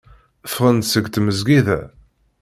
Ffɣen-d seg tmezgida.